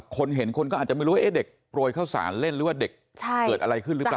คนเห็นคนก็อาจจะไม่รู้ว่าเด็กโปรยข้าวสารเล่นหรือว่าเด็กเกิดอะไรขึ้นหรือเปล่า